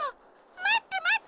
まってまって！